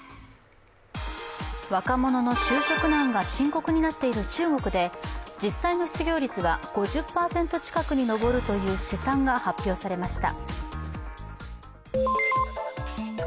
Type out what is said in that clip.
若者の就職難が深刻になっている中国で、実際の失業率は５０％近くに上るという試算が発表されました。